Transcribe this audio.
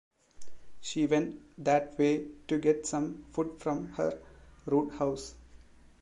She went that way to get some food from her roothouse.